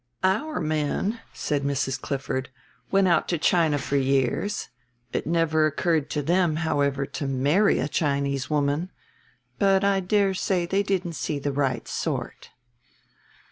"Our men," said Mrs. Clifford, "went out to China for years. It never occurred to them however to marry a Chinese woman; but I dare say they didn't see the right sort."